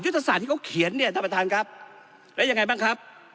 ศาสตร์ที่เขาเขียนเนี่ยท่านประธานครับแล้วยังไงบ้างครับ